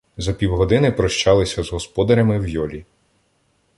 За півгодини прощалися з господарями в йолі.